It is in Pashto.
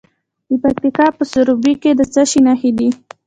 د پکتیکا په سروبي کې د څه شي نښې دي؟